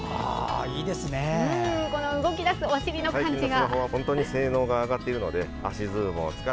動き出すお尻の感じが。